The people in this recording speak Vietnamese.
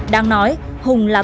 đang nói hùng là